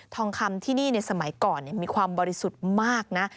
ทองคำที่นี่ในสมัยก่อนมีความบริสุทธิ์มากนะ